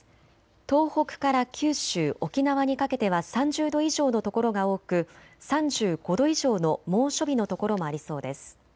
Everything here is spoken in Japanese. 東北から九州、沖縄にかけては３０度以上の所が多く３５度以上の猛暑日の所もありそうです。